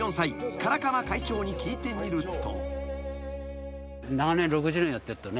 唐鎌会長に聞いてみると］